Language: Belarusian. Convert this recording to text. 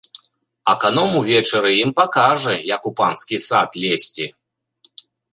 Аканом увечары ім пакажа, як у панскі сад лезці.